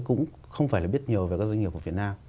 cũng không phải là biết nhiều về các doanh nghiệp của việt nam